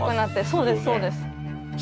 そうですそうです。